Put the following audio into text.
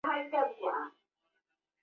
文化功劳者。